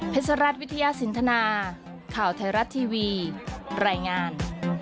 สหรัฐวิทยาสินทนาข่าวไทยรัฐทีวีรายงาน